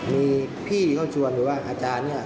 มีพี่เขาชวนหรือว่าอาจารย์เนี่ย